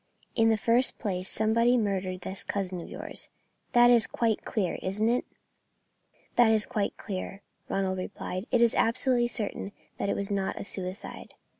In the first place somebody murdered this cousin of yours; that's quite clear, isn't it?" "That is quite clear," Ronald replied. "It is absolutely certain that it was not a suicide."